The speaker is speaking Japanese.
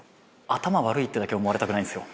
頭悪いってだけ思われたくないんですよ。